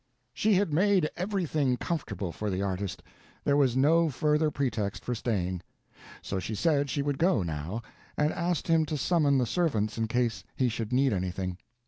She had made everything comfortable for the artist; there was no further pretext for staying. So she said she would go, now, and asked him to summon the servants in case he should need anything.